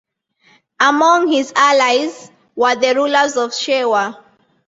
Among his allies were the rulers of Shewa.